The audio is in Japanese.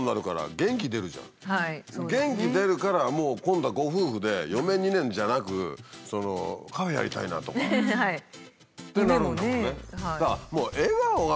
元気出るから今度はご夫婦で余命２年じゃなくカフェやりたいなとかってなるんだもんね。